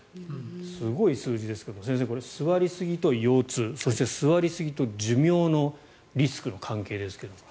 すごい数字ですけど先生、座りすぎと腰痛そして、座りすぎと寿命のリスクの関係ですけれど。